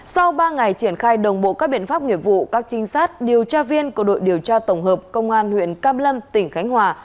sau ba ngày triển khai đồng bộ các biện pháp nghiệp vụ các trinh sát điều tra viên của đội điều tra tổng hợp công an huyện cam lâm tỉnh khánh hòa